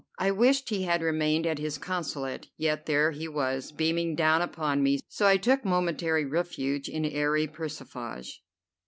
I wished he had remained at his Consulate, yet there he was, beaming down upon me, so I took momentary refuge in airy persiflage.